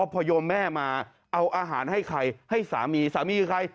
พยมแม่มาเอาอาหารให้ใครให้สามีสามีคือใคร